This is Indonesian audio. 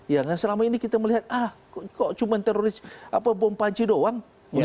yang selama ini kita melihat ah kok cuma teroris bom panci doang